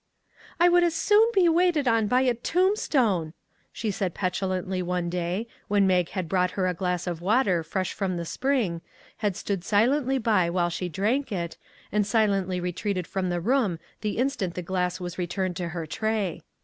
" I would as soon be waited on by a tomb stone !" she said petulantly one day when Mag had brought her a glass of water fresh from the spring, had stood silently by while she drank it, and silently retreated from the room the in stant the glass was returned to her tray.